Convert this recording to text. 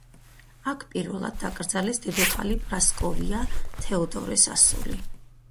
აქ პირველად დაკრძალეს დედოფალი პრასკოვია თეოდორეს ასული.